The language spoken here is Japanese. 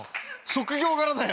職業柄だよ。